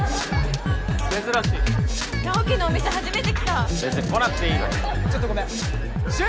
珍しい直己のお店初めて来た別に来なくていいのにちょっとごめん瞬！